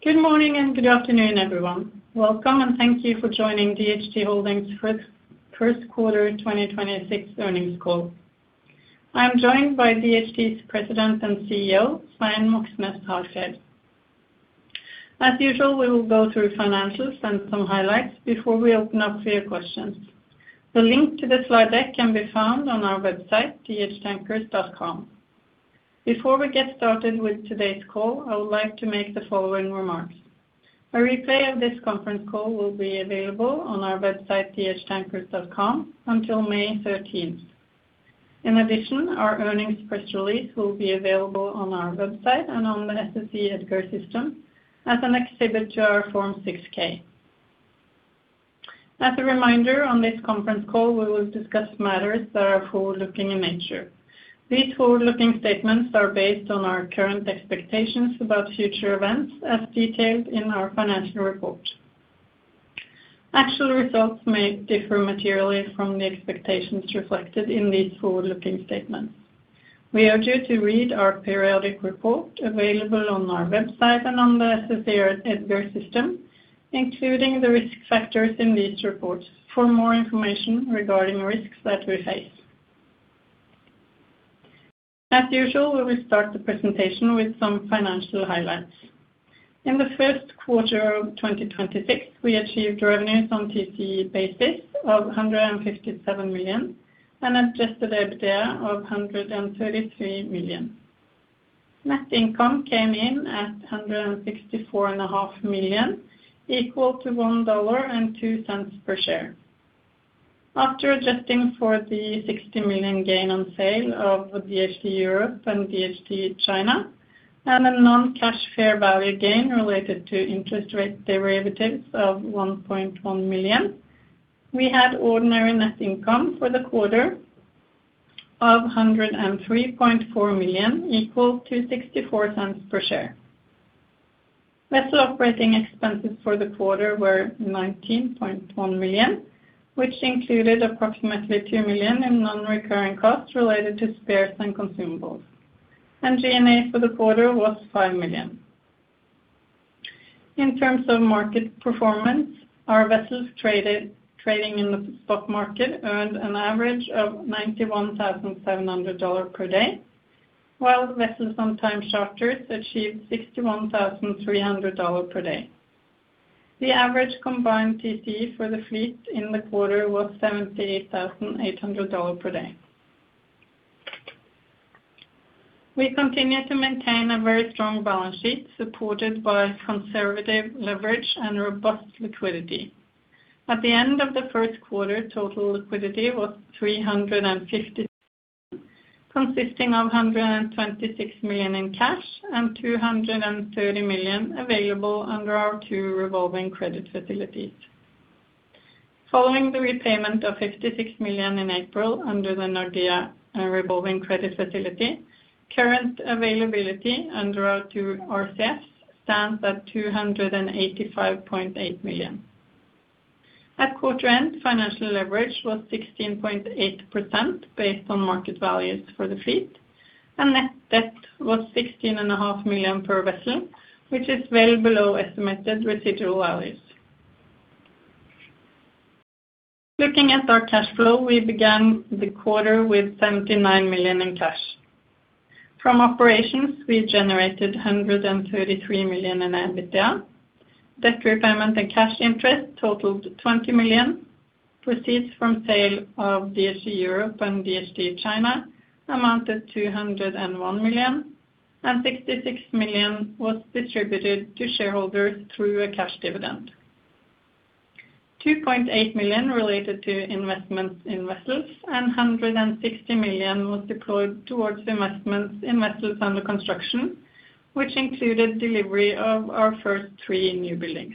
Good morning and good afternoon, everyone. Welcome and thank you for joining DHT Holdings first quarter 2026 earnings call. I am joined by DHT's President and CEO, Svein Moxnes Harfjeld. As usual, we will go through financials and some highlights before we open up for your questions. The link to the slide deck can be found on our website, dhtankers.com. Before we get started with today's call, I would like to make the following remarks. A replay of this conference call will be available on our website, dhtankers.com, until May 13th. In addition, our earnings press release will be available on our website and on the SEC EDGAR system as an exhibit to our Form 6-K. As a reminder, on this conference call, we will discuss matters that are forward-looking in nature. These forward-looking statements are based on our current expectations about future events as detailed in our financial report. Actual results may differ materially from the expectations reflected in these forward-looking statements. We urge you to read our periodic report available on our website and on the SEC EDGAR system, including the risk factors in these reports for more information regarding risks that we face. As usual, we will start the presentation with some financial highlights. In the first quarter of 2026, we achieved revenues on TCE basis of $157 million and adjusted EBITDA of $133 million. Net income came in at $164.5 million, equal to $1.02 per share. After adjusting for the $60 million gain on sale of DHT Europe and DHT China and a non-cash fair value gain related to interest rate derivatives of $1.1 million, we had ordinary net income for the quarter of $103.4 million equal to $0.64 per share. Vessel operating expenses for the quarter were $19.1 million, which included approximately $2 million in non-recurring costs related to spares and consumables, and G&A for the quarter was $5 million. In terms of market performance, our vessels trading in the spot market earned an average of $91,700 per day, while the vessels on time charters achieved $61,300 per day. The average combined TCE for the fleet in the quarter was $78,800 per day. We continue to maintain a very strong balance sheet supported by conservative leverage and robust liquidity. At the end of the first quarter, total liquidity was $350 million consisting of $126 million in cash and $230 million available under our two revolving credit facilities. Following the repayment of $56 million in April under the Nordea revolving credit facility, current availability under our two RCFs stands at $285.8 million. At quarter end, financial leverage was 16.8% based on market values for the fleet, and net debt was $16.5 million per vessel, which is well below estimated residual values. Looking at our cash flow, we began the quarter with $79 million in cash. From operations, we generated $133 million in EBITDA. Debt repayment and cash interest totaled $20 million. Proceeds from sale of DHT Europe and DHT China amounted to $101 million, and $66 million was distributed to shareholders through a cash dividend. $2.8 million related to investments in vessels, and $160 million was deployed towards investments in vessels under construction, which included delivery of our first three newbuildings.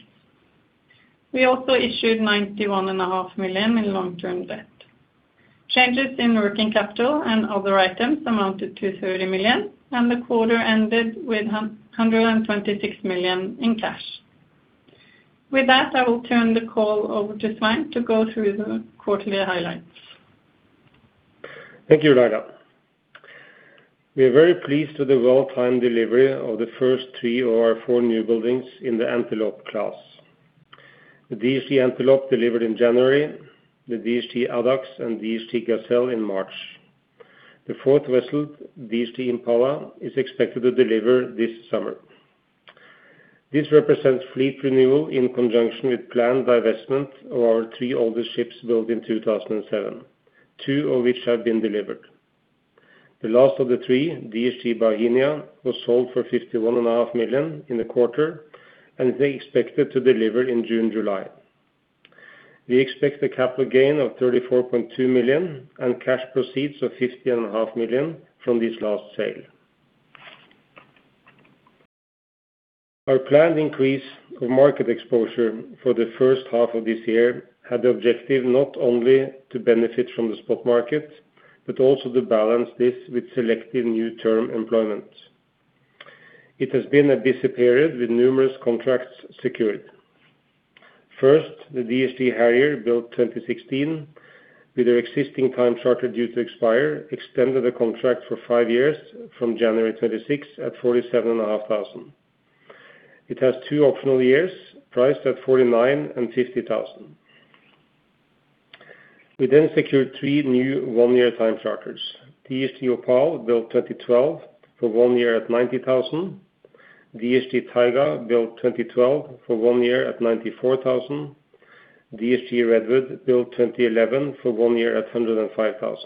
We also issued $91.5 million in long-term debt. Changes in working capital and other items amounted to $30 million, and the quarter ended with $126 million in cash. With that, I will turn the call over to Svein to go through the quarterly highlights. Thank you, Laila. We are very pleased with the well-timed delivery of the first three of our four newbuildings in the Antelope class. The DHT Antelope delivered in January, the DHT Addax and DHT Gazelle in March. The fourth vessel, DHT Impala, is expected to deliver this summer. This represents fleet renewal in conjunction with planned divestment of our three oldest ships built in 2007, two of which have been delivered. The last of the three, DHT Bauhinia, was sold for $51.5 million in the quarter and is expected to deliver in June, July. We expect a capital gain of $34.2 million and cash proceeds of $51.5 million from this last sale. Our planned increase of market exposure for the first half of this year had the objective not only to benefit from the spot market, but also to balance this with selective new term employment. It has been a busy period with numerous contracts secured. First, the DHT Harrier built 2016 with their existing time charter due to expire, extended the contract for five years from January 26th at $47,500. It has two optional years priced at $49,000 and $50,000. We then secured three new one-year time charters. DHT Opal built 2012 for one year at $90,000. DHT Taiga built 2012 for one year at $94,000. DHT Redwood built 2011 for one year at $105,000.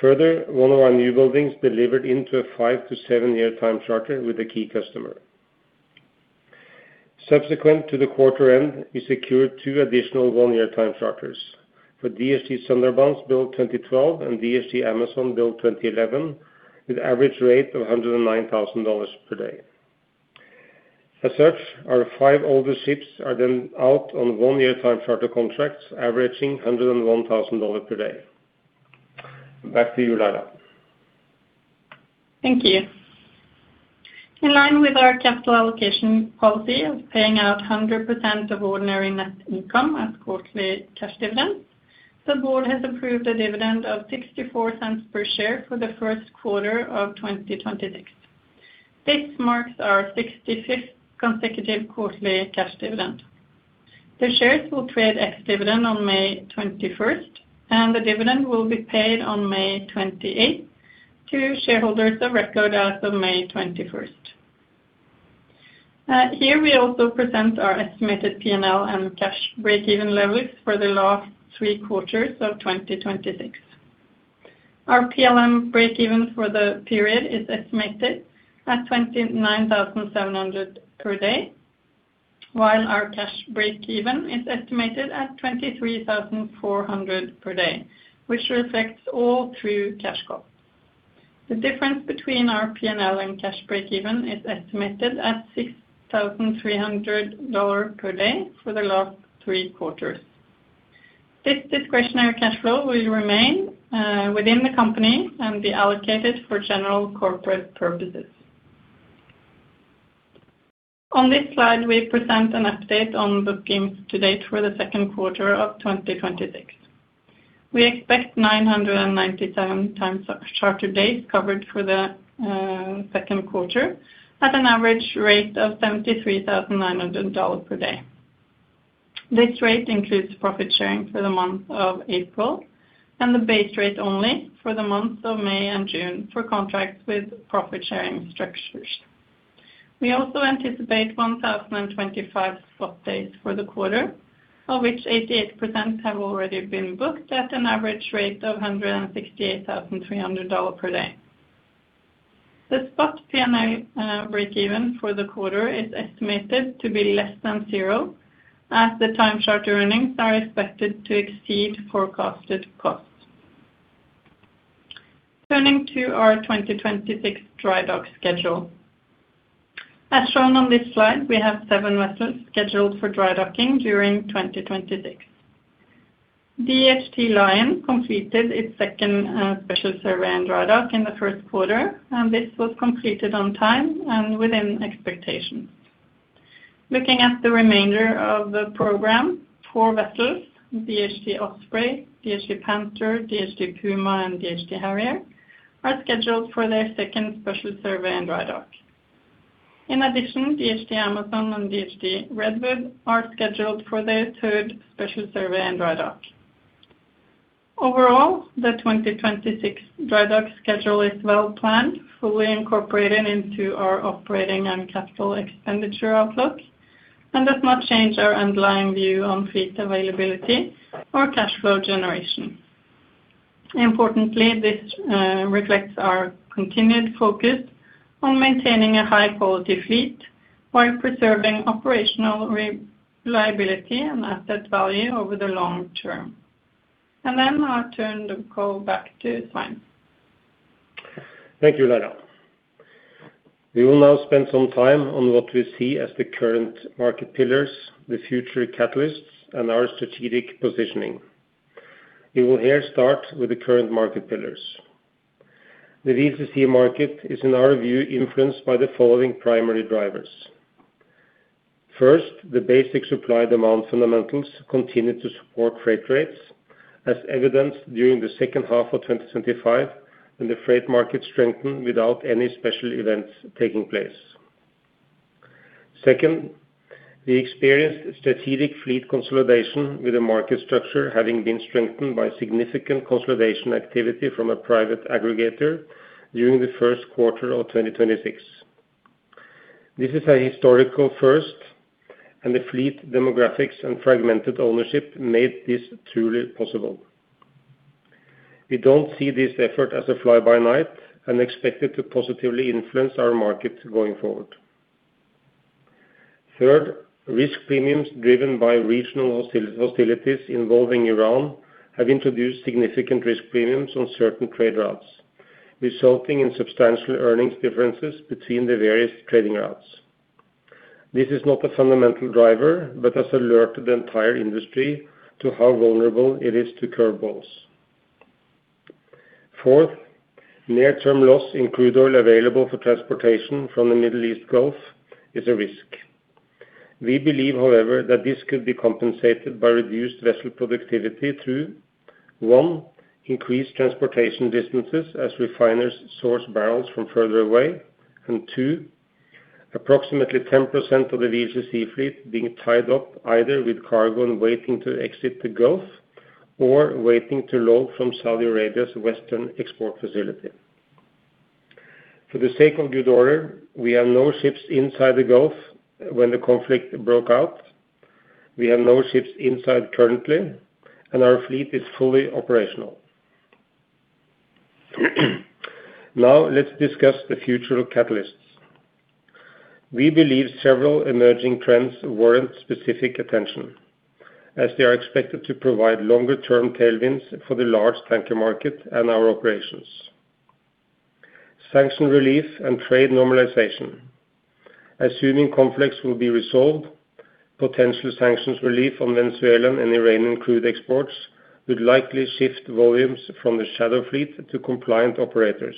Further, one of our newbuildings delivered into a five to seven-year time charter with a key customer. Subsequent to the quarter end, we secured two additional one-year time charters for DHT Sundarbans built 2012 and DHT Amazon built 2011 with average rate of $109,000 per day. As such, our five older ships are then out on one-year time charter contracts averaging $101,000 per day. Back to you, Laila. Thank you. In line with our capital allocation policy of paying out 100% of ordinary net income as quarterly cash dividends, the board has approved a dividend of $0.64 per share for the first quarter of 2026. This marks our 65th consecutive quarterly cash dividend. The shares will trade ex-dividend on May 21st, and the dividend will be paid on May 28th to shareholders of record as of May 21st. Here we also present our estimated P&L and cash break-even levels for the last three quarters of 2026. Our P&L break-even for the period is estimated at $29,700 per day, while our cash break-even is estimated at $23,400 per day, which reflects all through cash cost. The difference between our P&L and cash break-even is estimated at $6,300 per day for the last three quarters. This discretionary cash flow will remain within the company and be allocated for general corporate purposes. On this slide, we present an update on booked gains to date for the second quarter of 2026. We expect 997 time charter dates covered for the second quarter at an average rate of $73,900 per day. This rate includes profit sharing for the month of April and the base rate only for the months of May and June for contracts with profit-sharing structures. We also anticipate 1,025 spot dates for the quarter, of which 88% have already been booked at an average rate of $168,300 per day. The spot P&L break even for the quarter is estimated to be less than zero, as the time charter earnings are expected to exceed forecasted costs. Turning to our 2026 dry dock schedule. As shown on this slide, we have seven vessels scheduled for dry docking during 2026. DHT Lion completed its second special survey and dry dock in the first quarter, and this was completed on time and within expectations. Looking at the remainder of the program, four vessels, DHT Osprey, DHT Panther, DHT Puma, and DHT Harrier, are scheduled for their second special survey and dry dock. In addition, DHT Amazon and DHT Redwood are scheduled for their third special survey and dry dock. Overall, the 2026 dry dock schedule is well planned, fully incorporated into our operating and capital expenditure outlook, and does not change our underlying view on fleet availability or cash flow generation. Importantly, this reflects our continued focus on maintaining a high-quality fleet while preserving operational reliability and asset value over the long term. I'll turn the call back to Svein. Thank you, Laila. We will now spend some time on what we see as the current market pillars, the future catalysts, and our strategic positioning. We will here start with the current market pillars. The VLCC market is, in our view, influenced by the following primary drivers. First, the basic supply demand fundamentals continue to support freight rates, as evidenced during the second half of 2025, when the freight market strengthened without any special events taking place. Second, we experienced strategic fleet consolidation with the market structure having been strengthened by significant consolidation activity from a private aggregator during the first quarter of 2026. This is a historical first, and the fleet demographics and fragmented ownership made this truly possible. We don't see this effort as a fly-by-night and expect it to positively influence our market going forward. Third, risk premiums driven by regional hostilities involving Iran have introduced significant risk premiums on certain trade routes, resulting in substantial earnings differences between the various trading routes. This is not a fundamental driver, but has alerted the entire industry to how vulnerable it is to curve balls. Fourth, near term loss in crude oil available for transportation from the Middle East Gulf is a risk. We believe, however, that this could be compensated by reduced vessel productivity through, one, increased transportation distances as refiners source barrels from further away. Two, approximately 10% of the VLCC fleet being tied up either with cargo and waiting to exit the Gulf or waiting to load from Saudi Arabia's western export facility. For the sake of good order, we have no ships inside the Gulf when the conflict broke out. We have no ships inside currently. And, our fleet is fully operational. Now let's discuss the future catalysts. We believe several emerging trends warrant specific attention, as they are expected to provide longer term tailwinds for the large tanker market and our operations. Sanction relief and trade normalization. Assuming conflicts will be resolved, potential sanctions relief on Venezuelan and Iranian crude exports would likely shift volumes from the shadow fleet to compliant operators,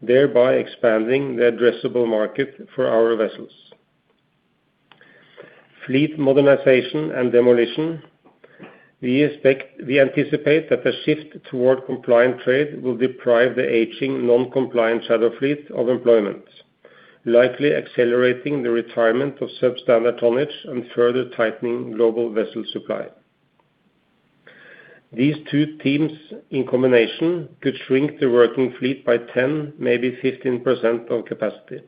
thereby expanding the addressable market for our vessels. Fleet modernization and demolition. We anticipate that the shift toward compliant trade will deprive the aging non-compliant shadow fleet of employment, likely accelerating the retirement of substandard tonnage and further tightening global vessel supply. These two themes in combination could shrink the working fleet by 10%, maybe 15% of capacity.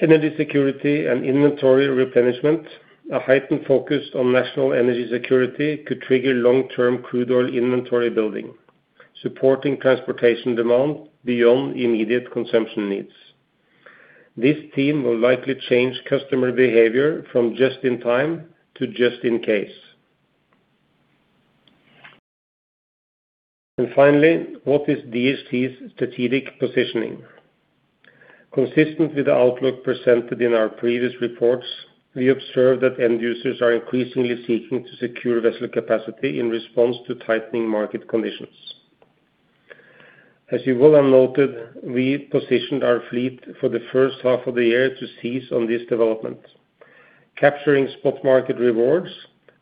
Energy security and inventory replenishment. A heightened focus on national energy security could trigger long-term crude oil inventory building, supporting transportation demand beyond immediate consumption needs. This team will likely change customer behavior from just in time to just in case. Finally, what is DHT's strategic positioning? Consistent with the outlook presented in our previous reports, we observe that end users are increasingly seeking to secure vessel capacity in response to tightening market conditions. As you will have noted, we positioned our fleet for the first half of the year to seize on this development, capturing spot market rewards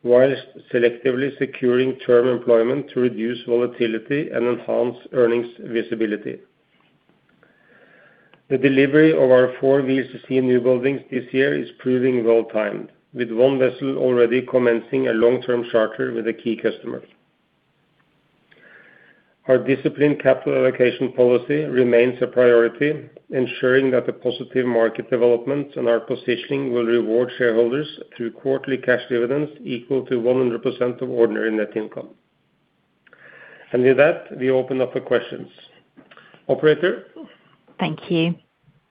whilst selectively securing term employment to reduce volatility and enhance earnings visibility. The delivery of our four VLCC newbuildings this year is proving well-timed, with one vessel already commencing a long-term charter with a key customer. Our disciplined capital allocation policy remains a priority, ensuring that the positive market development and our positioning will reward shareholders through quarterly cash dividends equal to 100% of ordinary net income. And with that, we open up for questions. Operator? Thank you.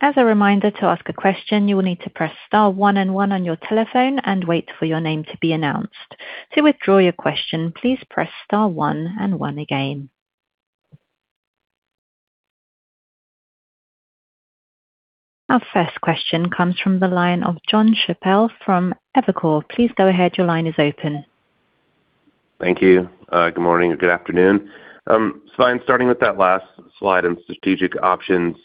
As a reminder, to ask a question, you will need to press star one and one on your telephone and wait for your name to be announced. To withdraw your question, please press star one and one again. Our first question comes from the line of Jon Chappell from Evercore. Please go ahead, your line is open. Thank you. Good morning or good afternoon. I'm starting with that last slide on strategic options,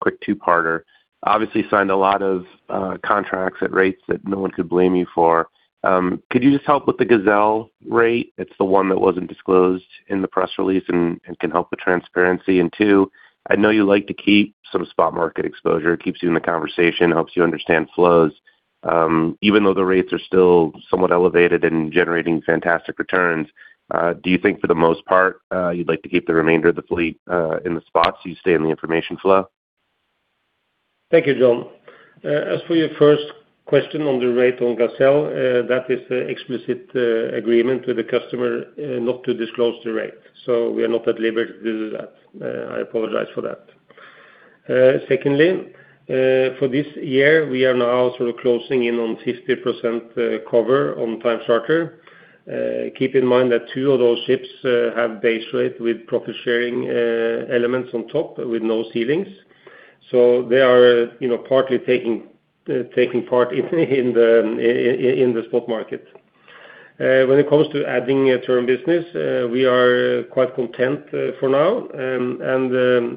quick two-parter. Obviously signed a lot of contracts at rates that no one could blame you for. Could you just help with the Gazelle rate? It's the one that wasn't disclosed in the press release and can help with transparency. And two, I know you like to keep some spot market exposure. It keeps you in the conversation, helps you understand flows. Even though the rates are still somewhat elevated and generating fantastic returns, do you think for the most part, you'd like to keep the remainder of the fleet in the spots you stay in the information flow? Thank you, Jon. As for your first question on the rate on Gazelle, that is a explicit agreement with the customer, not to disclose the rate. I apologize for that. Secondly, for this year, we are now sort of closing in on 50% cover on time charter. Keep in mind that two of those ships have base rate with profit-sharing elements on top with no ceilings. They are, you know, partly taking part in the spot market. When it comes to adding a term business, we are quite content for now.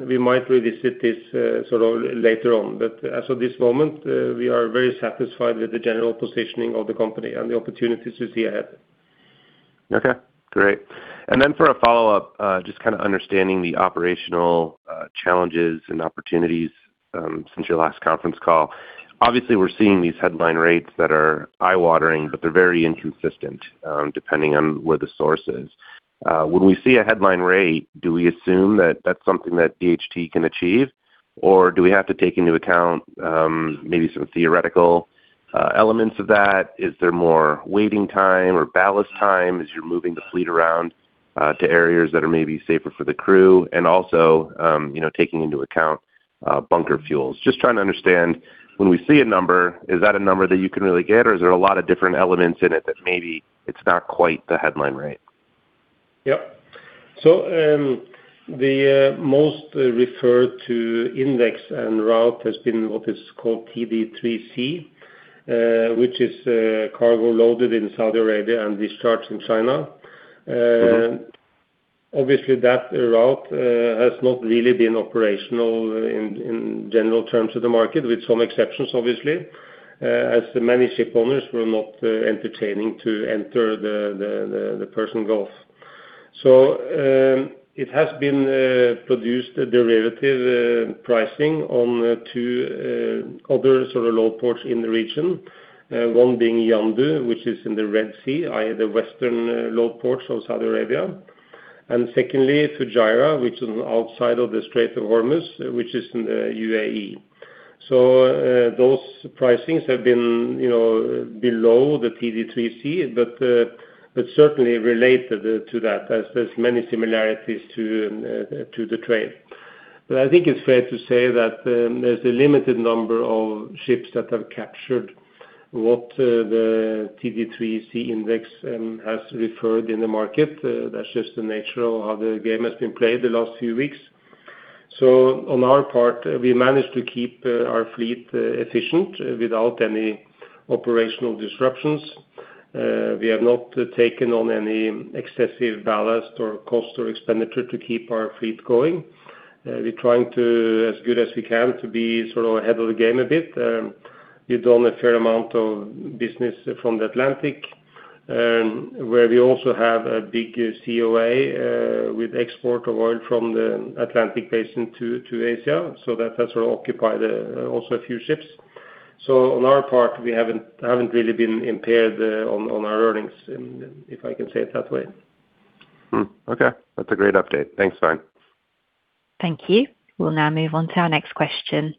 We might revisit this sort of later on. As of this moment, we are very satisfied with the general positioning of the company and the opportunities we see ahead. Okay, great. For a follow-up, just kinda understanding the operational challenges and opportunities since your last conference call. Obviously, we're seeing these headline rates that are eye-watering, but they're very inconsistent, depending on where the source is. When we see a headline rate, do we assume that that's something that DHT can achieve? Or do we have to take into account maybe some theoretical elements of that? Is there more waiting time or ballast time as you're moving the fleet around to areas that are maybe safer for the crew? Also, you know, taking into account bunker fuels. Just trying to understand, when we see a number, is that a number that you can really get, or is there a lot of different elements in it that maybe it's not quite the headline rate? Yep. The most referred to index and route has been what is called TD3C, which is cargo loaded in Saudi Arabia and discharged in China. Obviously, that route has not really been operational in general terms of the market, with some exceptions, obviously, as many ship owners were not entertaining to enter the Persian Gulf. It has been produced derivative pricing on two other sort of load ports in the region. One being Yanbu, which is in the Red Sea, i.e., the western load ports of Saudi Arabia. Secondly, Fujairah, which is outside of the Strait of Hormuz, which is in the UAE. Those pricings have been, you know, below the TD3C, but certainly related to that as there's many similarities to the trade. I think it's fair to say that there's a limited number of ships that have captured what the TD3C index has referred in the market. That's just the nature of how the game has been played the last few weeks. On our part, we managed to keep our fleet efficient without any operational disruptions. We have not taken on any excessive ballast or cost or expenditure to keep our fleet going. We trying to, as good as we can, to be sort of ahead of the game a bit. We done a fair amount of business from the Atlantic, where we also have a big COA with export of oil from the Atlantic basin to Asia. That has occupied also a few ships. On our part, we haven't really been impaired, on our earnings, if I can say it that way. Okay. That's a great update. Thanks, Svein. Thank you. We'll now move on to our next question.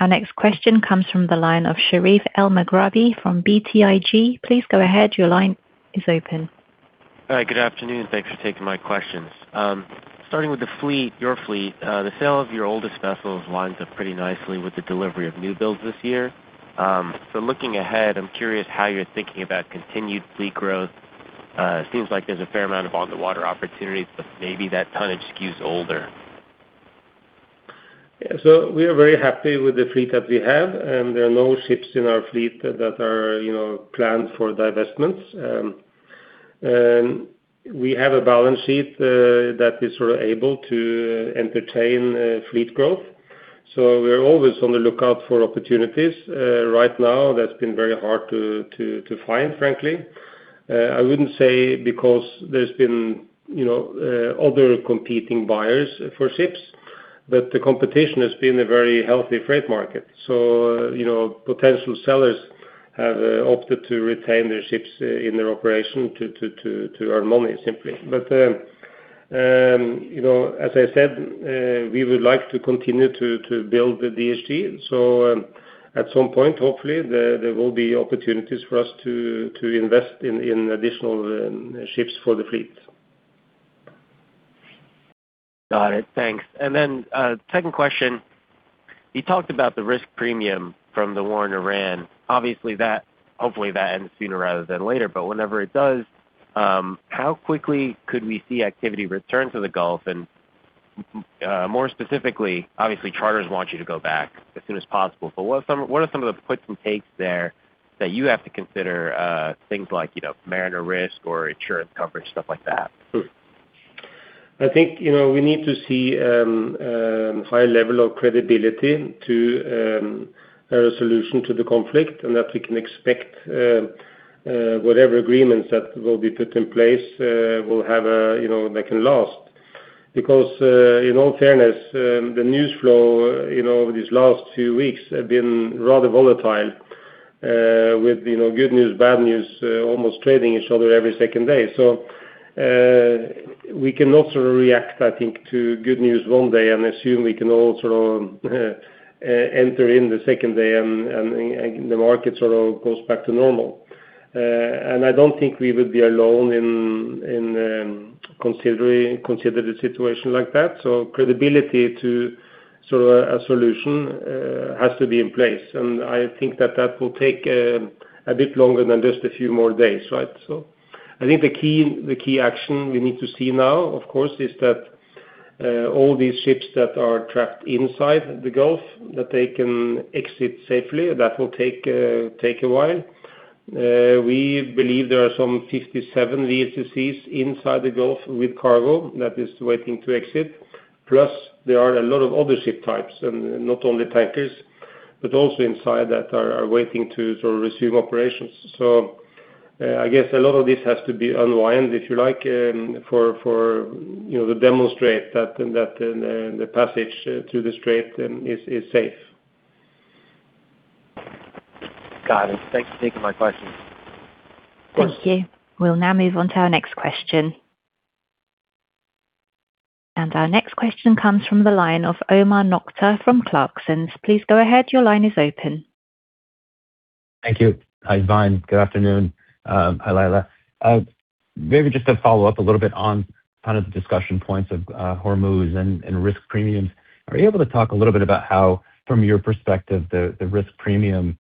Our next question comes from the line of Sherif Elmaghrabi from BTIG. Please go ahead. Your line is open. Hi, good afternoon. Thanks for taking my questions. Starting with your fleet, the sale of your oldest vessels lines up pretty nicely with the delivery of newbuilds this year. Looking ahead, I'm curious how you're thinking about continued fleet growth. Seems like there's a fair amount of on-the-water opportunities but maybe that tonnage skews older? We are very happy with the fleet that we have, and there are no ships in our fleet that are, you know, planned for divestments. We have a balance sheet that is sort of able to entertain fleet growth. We are always on the lookout for opportunities. Right now, that's been very hard to find, frankly. I wouldn't say because there's been, you know, other competing buyers for ships, but the competition has been a very healthy freight market. You know, potential sellers have opted to retain their ships in their operation to earn money simply. You know, as I said, we would like to continue to build the DHT. At some point, hopefully, there will be opportunities for us to invest in additional ships for the fleet. Got it. Thanks. And then, second question. You talked about the risk premium from the war in Iran. Obviously, hopefully that ends sooner rather than later. Whenever it does, how quickly could we see activity return to the Gulf? More specifically, obviously, charters want you to go back as soon as possible, but what are some of the puts and takes there that you have to consider, things like, you know, mariner risk or insurance coverage, stuff like that? I think, you know, we need to see a high level of credibility to a solution to the conflict, and that we can expect whatever agreements that will be put in place will have a, you know, that can last. Because in all fairness, the news flow, you know, over these last two weeks have been rather volatile, with, you know, good news, bad news, almost trading each other every second day. We cannot sort of react, I think, to good news one day and assume we can all sort of enter in the second day and the market sort of goes back to normal. And I don't think we would be alone in consider the situation like that. Credibility to sort of a solution has to be in place. I think that that will take a bit longer than just a few more days, right? I think the key action we need to see now, of course, is that all these ships that are trapped inside the Gulf, that they can exit safely. That will take a while. We believe there are some 57 VLCCs inside the Gulf with cargo that is waiting to exit. Plus, there are a lot of other ship types, and not only tankers, but also inside that are waiting to sort of resume operations. I guess a lot of this has to be unwind, if you like, you know, to demonstrate that the passage through the Strait is safe. Got it. Thanks for taking my questions. Of course. Thank you. We'll now move on to our next question. Our next question comes from the line of Omar Nokta from Clarksons. Please go ahead. Your line is open. Thank you. Hi, Svein. Good afternoon. Hi, Laila. Maybe just to follow up a little bit on kind of the discussion points of Hormuz and risk premiums. Are you able to talk a little bit about how, from your perspective, the risk premium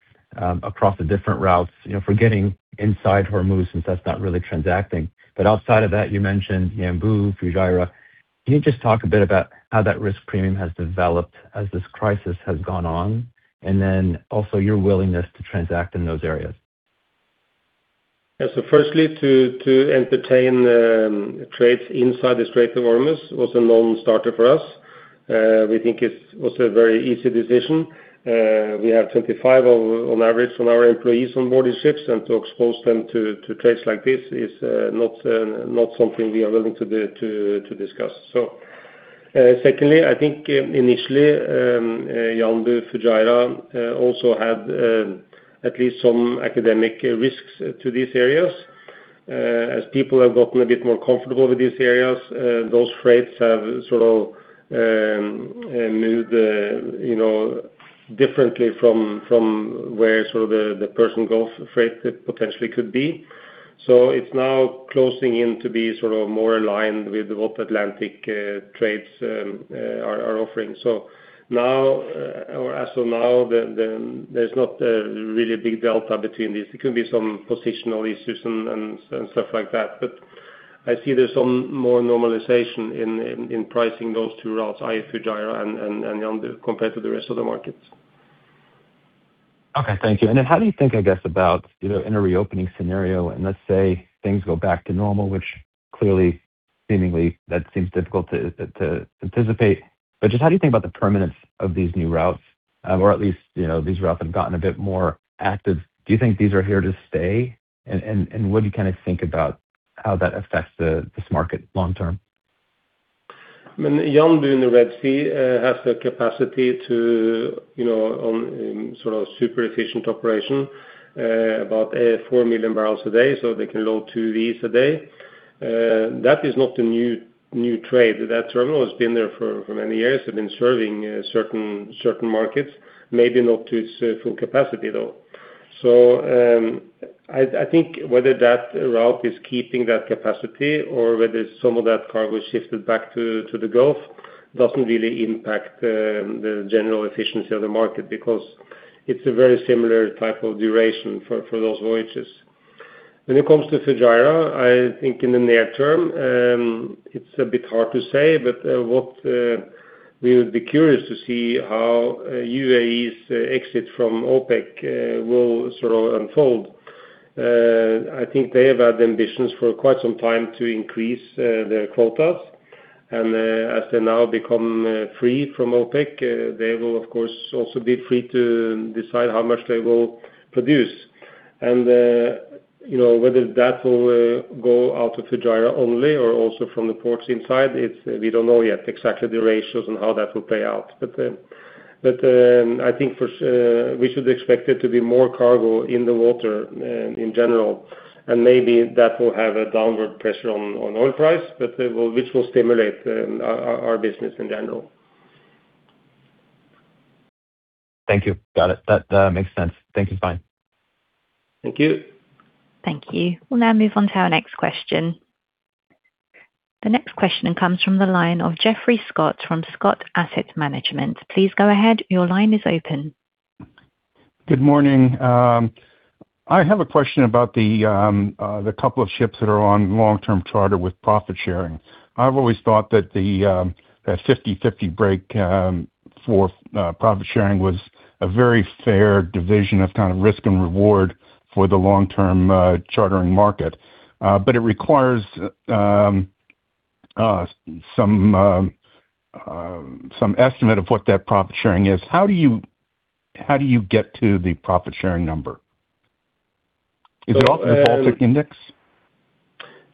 across the different routes, you know, forgetting inside Hormuz since that's not really transacting, but outside of that you mentioned Yanbu, Fujairah. Can you just talk a bit about how that risk premium has developed as this crisis has gone on? And then, also your willingness to transact in those areas. Firstly, to entertain trades inside the Strait of Hormuz was a non-starter for us. We think it was a very easy decision. We have 25 on average from our employees on board these ships and to expose them to trades like this is not something we are willing to do, to discuss. Secondly, I think initially, Yanbu, Fujairah, also had at least some academic risks to these areas. As people have gotten a bit more comfortable with these areas, those freights have sort of moved, you know, differently from where sort of the Persian Gulf freight potentially could be. It's now closing in to be sort of more aligned with what Atlantic trades are offering. Now, or as of now, there's not a really big delta between these. There could be some positional issues and stuff like that. I see there's some more normalization in pricing those two routes, i.e. Fujairah and Yanbu compared to the rest of the markets. Okay. Thank you. How do you think, I guess about, you know, in a reopening scenario and let's say things go back to normal, which clearly seemingly that seems difficult to anticipate, but just how do you think about the permanence of these new routes, or at least, you know, these routes have gotten a bit more active. Do you think these are here to stay? What do you kind of think about how that affects this market long term? I mean, Yanbu in the Red Sea, has the capacity to, you know, sort of super efficient operation, about four million barrels a day, so they can load two of these a day. That is not a new trade. That terminal has been there for many years, have been serving certain markets, maybe not to its full capacity though. I think whether that route is keeping that capacity or whether some of that cargo shifted back to the Gulf, doesn't really impact the general efficiency of the market because it's a very similar type of duration for those voyages. When it comes to Fujairah, I think in the near term, it's a bit hard to say, but what we would be curious to see how UAE's exit from OPEC will sort of unfold. I think they have had ambitions for quite some time to increase their quotas. As they now become free from OPEC, they will of course also be free to decide how much they will produce. You know, whether that will go out to Fujairah only or also from the ports inside, we don't know yet exactly the ratios and how that will play out. I think we should expect there to be more cargo in the water, in general, and maybe that will have a downward pressure on oil price, which will stimulate our business in general. Thank you. Got it. That makes sense. Thank you, Svein. Thank you. Thank you. We'll now move on to our next question. The next question comes from the line of Geoffrey Scott from Scott Asset Management. Please go ahead. Your line is open. Good morning. I have a question about the couple of ships that are on long-term charter with profit sharing. I've always thought that the 50/50 break for profit sharing was a very fair division of kind of risk and reward for the long-term chartering market. But it requires some estimate of what that profit sharing is. How do you get to the profit-sharing number? Is it off the Baltic index?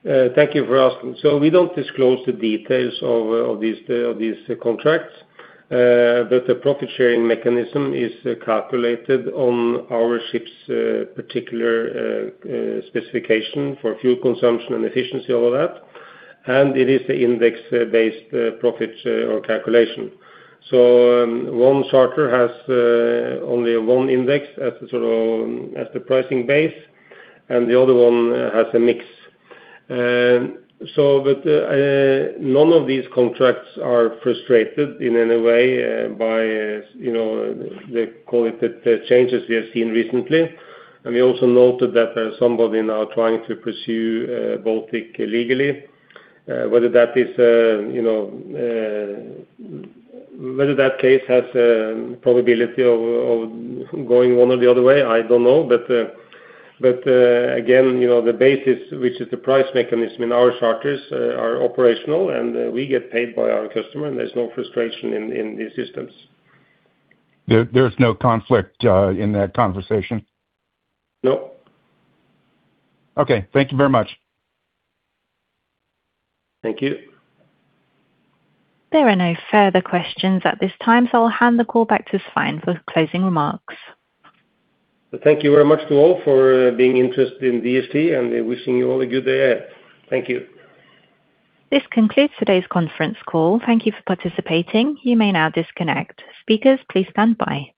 Thank you for asking. We don't disclose the details of these, of these contracts. The profit-sharing mechanism is calculated on our ship's particular specification for fuel consumption and efficiency, all of that. It is index-based profits or calculation. One charter has only one index as sort of, as the pricing base, and the other one has a mix. None of these contracts are frustrated in any way, by, you know, the cognitive changes we have seen recently. We also noted that somebody now trying to pursue Baltic legally, whether that case has probability of going one or the other way, I don't know. Again, you know, the basis, which is the price mechanism in our charters, are operational, and we get paid by our customer and there's no frustration in these systems. There's no conflict in that conversation? No. Okay. Thank you very much. Thank you. There are no further questions at this time. I'll hand the call back to Svein for closing remarks. Thank you very much to all for being interested in DHT, and wishing you all a good day ahead. Thank you. This concludes today's conference call. Thank you for participating. You may now disconnect. Speakers, please stand by.